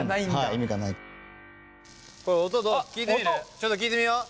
ちょっと聞いてみよう。